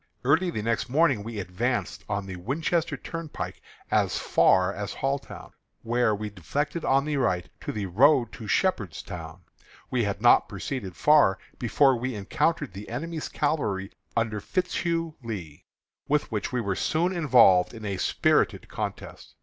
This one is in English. Early the next morning we advanced on the Winchester Turnpike as far as Halltown, where we deflected to the right on the road to Shepherdstown. We had not proceeded far before we encountered the enemy's cavalry under Fitzhugh Lee, with which we were soon involved in a spirited contest.